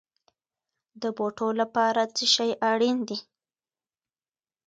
د بوټو لپاره څه شی اړین دی؟